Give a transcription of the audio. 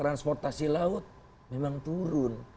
transportasi laut memang turun